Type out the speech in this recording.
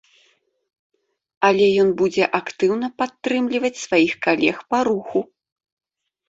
Але ён будзе актыўна падтрымліваць сваіх калег па руху.